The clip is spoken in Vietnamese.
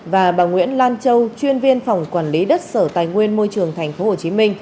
và bà nguyễn lan châu chuyên viên phòng quản lý đất sở tài nguyên môi trường tp hcm